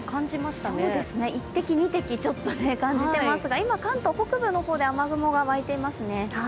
そうですね、１滴２滴、感じてますが今、関東北部の方で雨雲が湧いていますね。